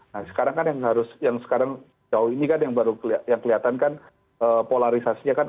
nah sekarang kan yang harus yang sekarang jauh ini kan yang baru kelihatan yang kelihatan kan polarisasinya kan